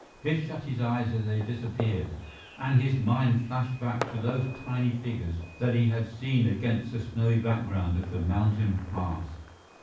Biff shut his eyes as they disappeared, and his mind flashed back to those tiny figures that he had seen against the snowy background of the mountain pass.